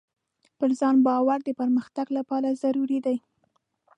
پر ځان باور د پرمختګ لپاره ضروري دی.